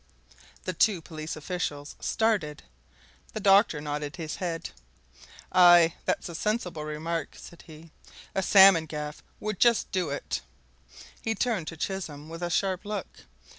The two police officials started the doctor nodded his head. "Aye, and that's a sensible remark," said he. "A salmon gaff would just do it." He turned to Chisholm with a sharp look.